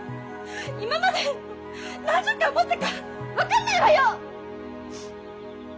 今まで何十回思ったか分かんないわよ！